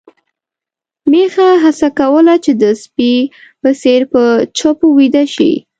میښه هڅه کوله چې د سپي په څېر په چپو ويده شي.